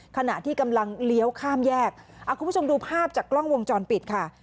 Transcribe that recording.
ขณะที่กำลังเลี้ยวข้ามแยกคุณผู้ชมดูภาพจากกล้องวงจรปิดค่ะ